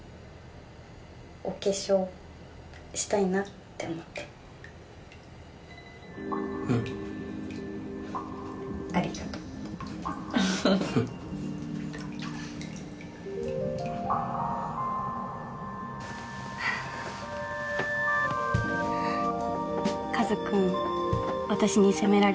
お化粧したいなって思ってうんありがとうフフフかずくん私にせめられるの好き？